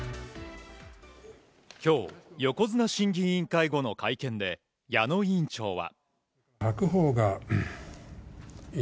今日、横綱審議委員会後の会見で矢野委員長は。